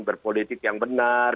berpolitik yang benar